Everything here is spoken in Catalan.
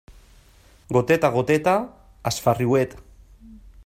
Goteta a goteta es fa riuet.